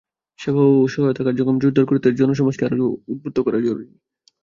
সেবা ও সহায়তা কার্যক্রম জোরদার করতে জনসমাজকে আরও উদ্বুদ্ধ করা জরুরি।